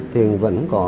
thì vẫn không có